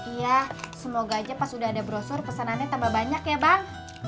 iya semoga aja pas sudah ada brosur pesanannya tambah banyak ya bang